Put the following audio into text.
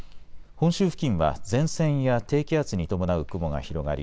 本州付近は前線や低気圧に伴う雲が広がり